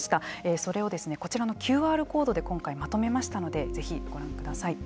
それをこちらのＱＲコードで今回まとめましたのでぜひ、ご覧ください。